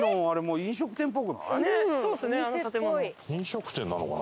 飲食店なのかな？